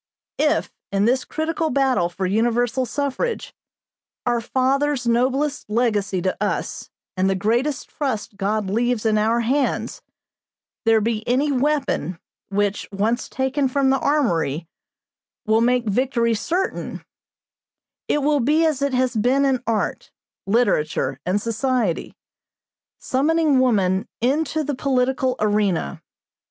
"If, in this critical battle for universal suffrage, our fathers' noblest legacy to us and the greatest trust God leaves in our hands, there be any weapon, which, once taken from the armory, will make victory certain, it will be as it has been in art, literature, and society, summoning woman into the political arena.